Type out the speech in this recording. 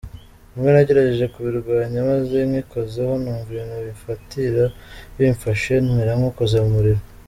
Rimwe nagerageje kubirwanya maze ngikozeho numva ibintu bifatira bimfashe mera nk’ukoze mu muriro.